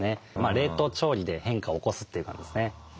冷凍調理で変化を起こすという感じですね。